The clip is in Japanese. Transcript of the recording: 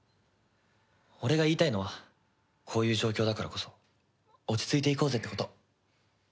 俺が言いたいのはこういう状況だからこそ落ち着いていこうぜってこと。